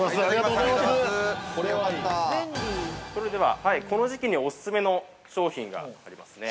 ◆それでは、この時期にオススメの商品がありますね。